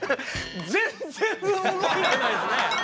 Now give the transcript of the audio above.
全然動いてないですね。